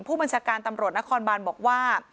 ผู้บัญชาการตำรวจนครบานบอกว่า